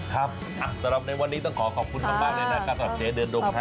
ครับสำหรับในวันนี้ต้องขอขอบคุณมากนะครับกับเจ๊เดินดุมค่ะ